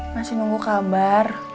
masih nunggu kabar